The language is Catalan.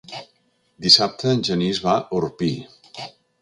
Dissabte en Genís va a Orpí.